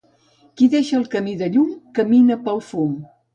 Qui deixa el camí de llum, camina pel fum.